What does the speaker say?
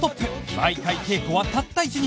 毎回稽古はたった１日